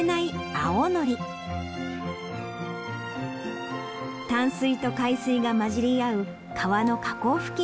淡水と海水が混じり合う川の河口付近で育ちます。